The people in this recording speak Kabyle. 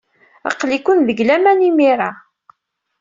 Aql-iken deg laman imir-a.